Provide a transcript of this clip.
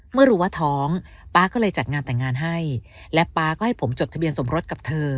เมื่อรู้ว่าท้องป๊าก็เลยจัดงานแต่งงานให้และป๊าก็ให้ผมจดทะเบียนสมรสกับเธอ